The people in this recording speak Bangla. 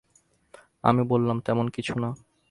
আমি বললাম, তেমন কিছু না।